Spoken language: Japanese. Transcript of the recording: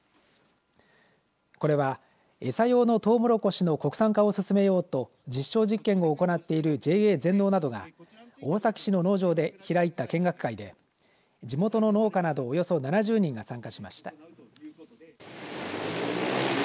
これは餌用のトウモロコシの国産化を進めようと実証実験を行っているＪＡ全農などが大崎市の農場で開いた見学会で地元の農家などおよそ７０人が参加しました。